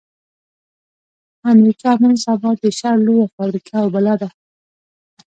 امريکا نن سبا د شر لويه فابريکه او بلا ده.